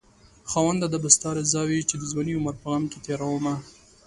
خاونده دا به ستا رضاوي چې دځوانۍ عمر په غم کې تيرومه